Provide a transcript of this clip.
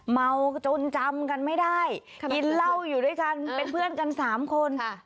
เมาจนจำกันไม่ได้กินเหล้าอยู่ด้วยกันเป็นเพื่อนกัน๓คน